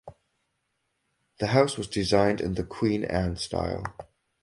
The house was designed in the Queen Anne style.